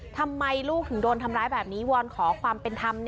ทำไมลูกถึงโดนทำร้ายแบบนี้วอนขอความเป็นธรรม